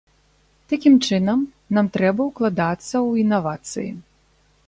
Такім чынам, нам трэба ўкладацца ў інавацыі.